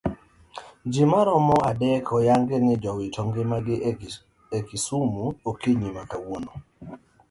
Jii maromo adek oyangi ni jowito ngimagi ei kisumu okinyi makawuono